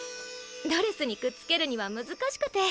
ドレスにくっつけるにはむずかしくて。